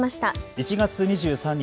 １月２３日